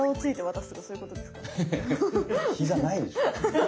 ひざないでしょ！